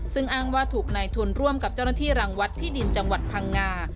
ซึ่งอ้างว่าถูกนายทุนร่วมกับเจ้าหน้าที่รังวัดที่ดินจังหวัดพังงา